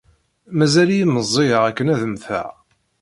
Mazal-iyi meẓẓiyeɣ akken ad mmteɣ!